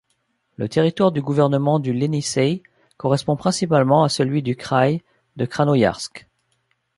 Le territoire du gouvernement du Ienisseï correspond principalement à celui du kraï de Krasnoïarsk.